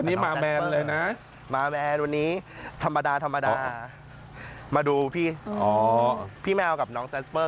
วันนี้มาแมนเลยนะมาแมนวันนี้ธรรมดามาดูพี่พี่แมวกับน้องแจ๊สเบอร์